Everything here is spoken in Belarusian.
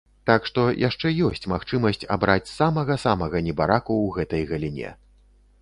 Так што яшчэ ёсць магчымасць абраць самага-самага небараку ў гэтай галіне.